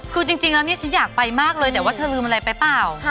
คือจริงแล้วเนี่ยฉันอยากไปมากเลยแต่ว่าเธอลืมอะไรไปเปล่า